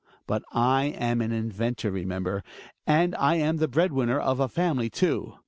But, I am an inventor, remember, and I am the bread winner of a family too.